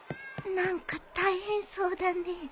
何か大変そうだね。